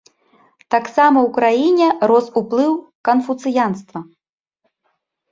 Таксама ў краіне рос уплыў канфуцыянства.